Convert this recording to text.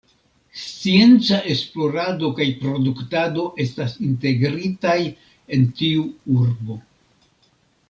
Scienca esplorado kaj produktado estas integritaj en tiu urbo.